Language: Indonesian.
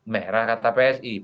merah kata psi